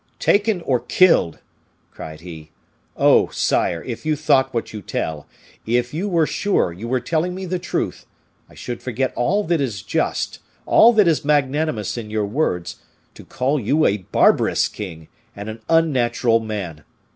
"Taken or killed!" cried he. "Oh! sire, if you thought what you tell, if you were sure you were telling me the truth, I should forget all that is just, all that is magnanimous in your words, to call you a barbarous king, and an unnatural man.